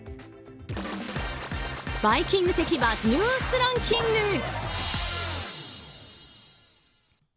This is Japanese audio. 「バイキング」的Ｂｕｚｚニュースランキング。